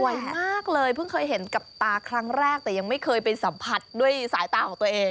มากเลยเพิ่งเคยเห็นกับตาครั้งแรกแต่ยังไม่เคยไปสัมผัสด้วยสายตาของตัวเอง